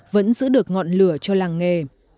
vẫn giữ được ngọn lửa cho làng nghề